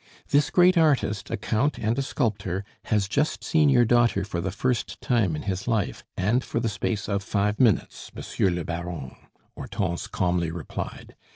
"This great artist, a Count and a sculptor, has just seen your daughter for the first time in his life, and for the space of five minutes, Monsieur le Baron," Hortense calmly replied.